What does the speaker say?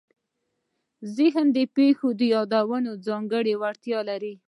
ذهن د پېښو د یادولو ځانګړې وړتیا لري.